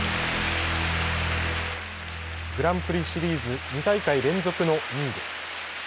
グランプリシリーズ２大会連続の２位です。